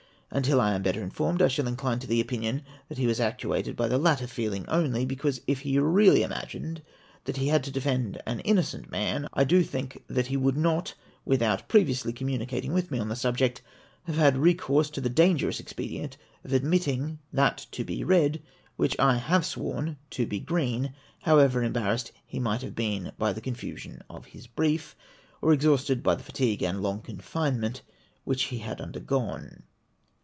Until I am better informed, I shall incline to the opinion that he was actuated by the latter feel ing only ; because, if he really imagined that he had to defend an innocent man, I do think that he would not, with out previously communicating with me on the subject, have had recourse to the dangerous expedient of admitting that to be red which I have sworn to be green, however embarrassed he might have been by the confusion of his brief, or ex hausted by the fatigue and long confinement which he had undergone.